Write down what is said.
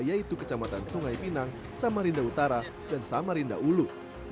yaitu kecamatan sungai pinang samarinda utara dan samarinda ulu